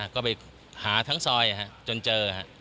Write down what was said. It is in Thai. ก็ไปหาทั้งซอยจนเจอ